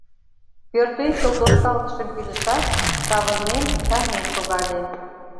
Пӧртӧнчыл тошкалтышым кӱзышат, савырнен чарнен шогале.